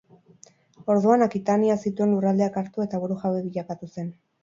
Orduan Akitania zituen lurraldeak hartu eta burujabe bilakatu zen.